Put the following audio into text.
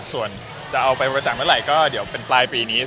ส่วนจะเอาไปบริจาคเมื่อไหร่ก็เดี๋ยวเป็นปลายปีนี้